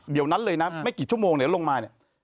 เดี๋ยวนั้นเลยนะไม่กี่ชั่วโมงเดี๋ยวลงมาเนี่ย